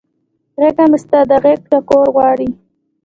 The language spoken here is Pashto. غیږه مې ستا د غیږ ټکور غواړي